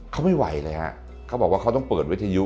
เขาไม่ไหวเลยฮะเขาบอกว่าเขาต้องเปิดวิทยุ